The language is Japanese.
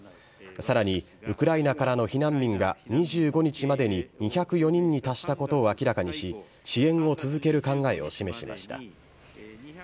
さらにウクライナからの避難民が２５日までに２０４人に達したことを明らかにし、支援を続ける考えを示しました。